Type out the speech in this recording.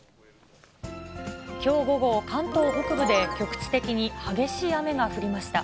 きょう午後、関東北部で局地的に激しい雨が降りました。